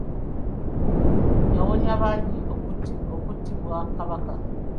Yawonya bangi okuttibwa Kabaka.